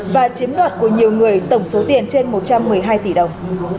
và chiếm đoạt của nhiều người tổng số tiền trên một trăm một mươi hai tỷ đồng